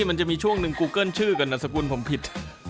มันจะมีช่วงหนึ่งกูเกิ้ลชื่อกันนามสกุลผมผิด